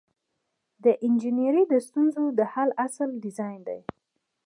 د انجنیری د ستونزو د حل اصل ډیزاین دی.